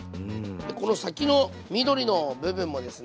この先の緑の部分もですね